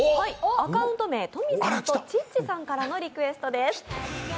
アカウント名、トミさんとちっちさんからのリクエストです。